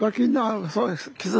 そうです。